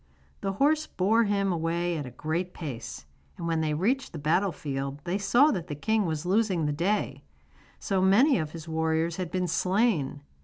The horse bore him away at a great pace, and when they reached the battle field they saw that the king was losing the day, so many of his warriors had been slain.